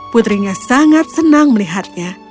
putrinya sangat senang melihatnya